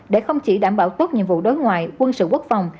để không chỉ đảm bảo tốt nhiệm vụ đối ngoại quân sự quốc phòng